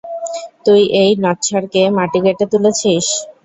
তুই এই নচ্ছাড়কে মাটি কেটে তুলেছিস!